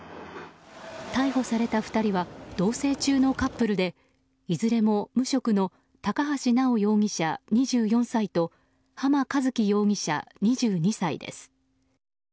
逮捕された２人は同棲中のカップルでいずれも無職の高橋直穂容疑者、２４歳と浜一輝容疑者、２２歳です。